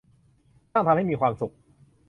ช่างทำให้มีความสุข